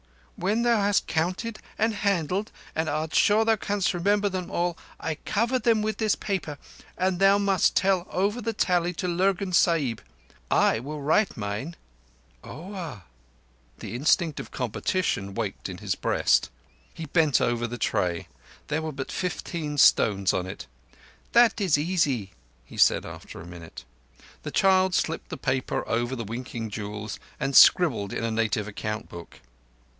"When thou hast counted and handled and art sure that thou canst remember them all, I cover them with this paper, and thou must tell over the tally to Lurgan Sahib. I will write mine." "Oah!" The instinct of competition waked in his breast. He bent over the tray. There were but fifteen stones on it. "That is easy," he said after a minute. The child slipped the paper over the winking jewels and scribbled in a native account book.